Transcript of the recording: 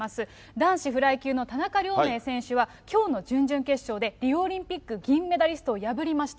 男子フライ級の田中亮明選手は、きょうの準々決勝でリオオリンピック銀メダリストを破りました。